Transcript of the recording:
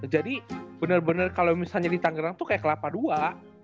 jadi bener bener kalo misalnya di tangerang tuh kayak kelapa dua